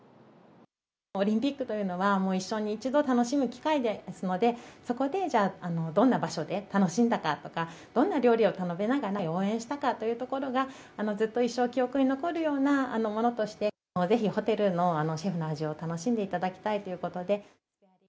オリンピックというのは、もう一生に一度楽しむ機会ですので、そこでじゃあ、どんな場所で楽しんだかとか、どんな料理を食べながら応援したかというところが、ずっと一生記憶に残るようなものとして、ぜひホテルのシェフの味を楽しんでいただきたいということで。